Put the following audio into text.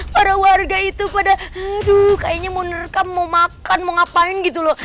para warga itu pada aduh kayaknya mau nerkam mau makan mau ngapain gitu loh